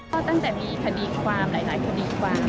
ก็ตั้งแต่มีคดีความหลายคดีความ